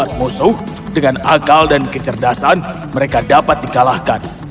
saat musuh dengan akal dan kecerdasan mereka dapat dikalahkan